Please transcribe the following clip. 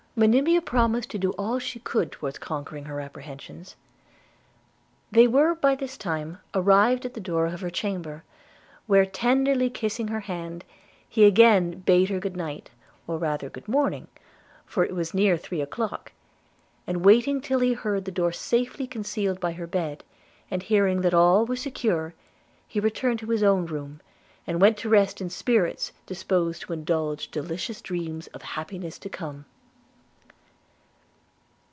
Monimia promised to do all she could towards conquering her apprehensions. They were by this time arrived at the door of her chamber, where tenderly kissing her hand, he again bade her good night, or rather good morning, for it was near three o'clock; and waiting till he heard the door safely concealed by her bed, and hearing that all was secure, he returned to his own room, and went to rest in spirits disposed to indulge delicious dreams of happiness to come.